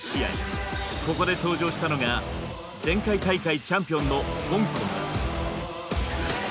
ここで登場したのが前回大会チャンピオンの香港だ。